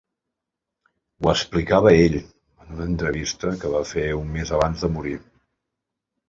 Ho explicava ell en una entrevista que va fer un mes abans de morir.